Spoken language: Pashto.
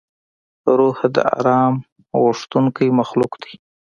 روح د آرام غوښتونکی مخلوق دی.